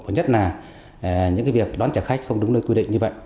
nhất là những việc đón trả khách không đúng nơi quy định như vậy